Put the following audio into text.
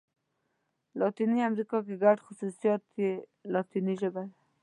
لاتیني امريکا ګډ خوصوصیات یې لاتيني ژبه ده.